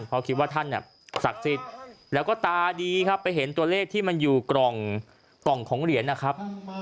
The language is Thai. เพราะคิดว่าท่านศักดิ์สิทธิ์แล้วก็ตาดีครับไปเห็นตัวเลขที่มันอยู่กล่องของเหรียญนะครับ